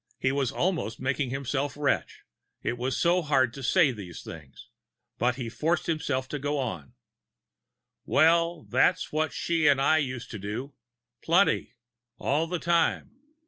He was almost making himself retch, it was so hard to say these things. But he forced himself to go on: "Well, that's what she and I used to do. Plenty. All the time.